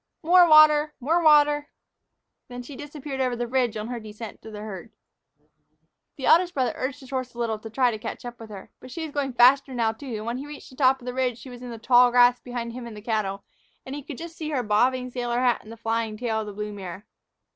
More water! More water!" Then she disappeared over the ridge on her descent to the herd. The eldest brother urged his horse a little to try to catch up with her. But she was going faster now, too, and when he reached the top of the ridge she was in the tall grass between him and the cattle, and he could just see her bobbing sailor hat and the flying tail of the blue mare.